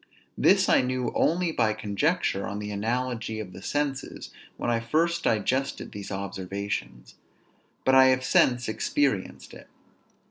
This I knew only by conjecture on the analogy of the senses when I first digested these observations; but I have since experienced it.